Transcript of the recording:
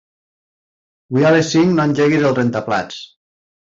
Avui a les cinc no engeguis el rentaplats.